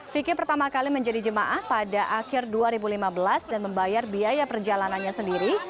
vicky pertama kali menjadi jemaah pada akhir dua ribu lima belas dan membayar biaya perjalanannya sendiri